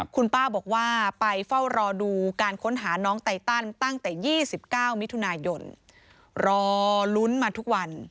คุณป้าบอกว่าไปเฝ้ารอดูการค้นหาน้องไตตันตั้งแต่๒๙มิถุนายนรอลุ้นมาทุกวัน